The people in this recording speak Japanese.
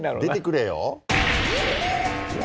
出てくれよ。